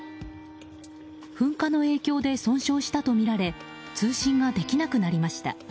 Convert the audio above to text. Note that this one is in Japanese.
噴火の影響で損傷したとみられ通信ができなくなりました。